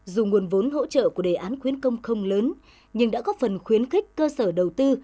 dù nguồn vốn hỗ trợ của đề án khuyến công không lớn nhưng đã góp phần khuyến khích cơ sở đầu tư